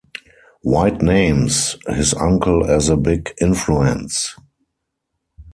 White names his uncle as a big influence.